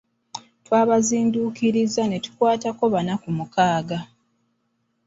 Twabazinduukirizza ne tukwatako bana ku mukaaga.